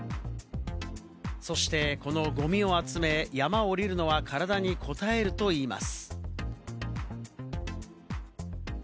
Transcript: そしてこのゴミを集め、山を下りるのは体にこたえるといいます。